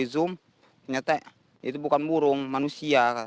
zoom ternyata itu bukan burung manusia